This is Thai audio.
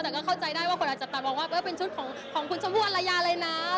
แต่ก็เข้าใจได้ว่าคนอาจจะตามองว่าเป็นชุดของคุณชมพู่อัลยาเลยนะ